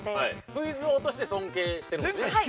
◆クイズ王として尊敬しているんですね。